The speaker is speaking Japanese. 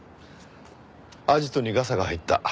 アジトにガサが入った。